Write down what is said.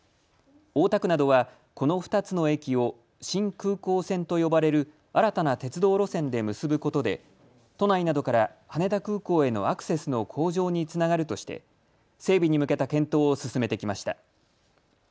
大田区などはこの２つの駅を新空港線と呼ばれる新たな鉄道路線で結ぶことで都内などから羽田空港へのアクセスの向上につながるとして整備に向けた検討を進めてきました。